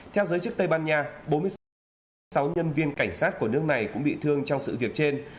theo giới chức tây ban nha bốn mươi sáu nhân viên cảnh sát của nước này cũng bị thương trong sự việc trên